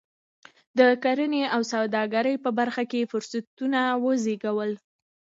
د کرنې او سوداګرۍ په برخه کې فرصتونه وزېږول.